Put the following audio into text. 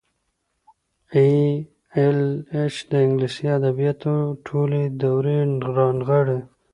ای ایل ایچ د انګلیسي ادبیاتو ټولې دورې رانغاړي.